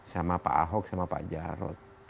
sama pak ahok sama pak jarod